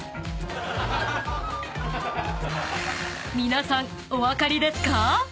［皆さんお分かりですか？］